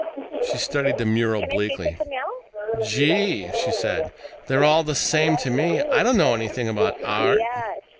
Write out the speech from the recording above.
She studied the mural bleakly. "Gee," she said, "they're all the same to me. I don't know anything about art."